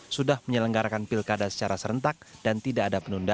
sudah menyelenggarakan pilkada secara serentak dan tidak ada penundaan